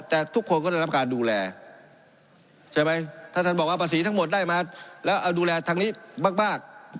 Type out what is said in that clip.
แต่ทุกคนก็ได้รับการดูแลใช่ไหมถ้าท่านบอกว่าภาษีทั้งหมดได้มาแล้วเอาดูแลทางนี้มาก